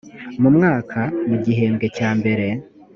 mu mwaka mu gihembwe cya mbere